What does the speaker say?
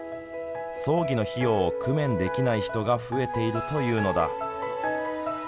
葬儀の費用を工面できない人が増えているというのだ。